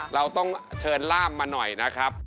เราต้องเชิญล่ามมาหน่อยนะครับ